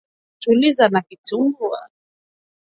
Tuliza na kitumbua.